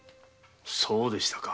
そうでしたか。